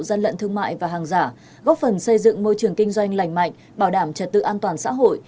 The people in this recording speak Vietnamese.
gian lận thương mại và hàng giả góp phần xây dựng môi trường kinh doanh lành mạnh bảo đảm trật tự an toàn xã hội